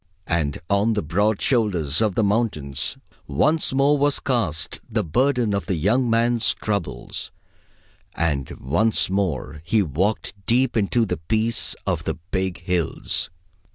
And on the broad shoulders of the mountains once more was cast the burden of the young man's troubles, and once more he walked deep into the peace of the big hills.